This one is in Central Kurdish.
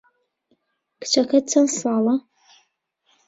کچەکەت چەند ساڵە؟